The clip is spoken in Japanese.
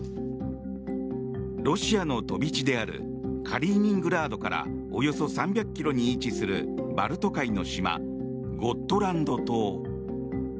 ロシアの飛び地であるカリーニングラードからおよそ３００ｋｍに位置するバルト海の島、ゴットランド島。